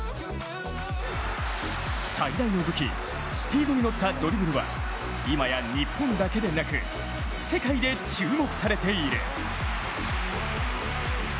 最大の武器、スピードにのったドリブルは今や日本だけでなく世界で注目されている。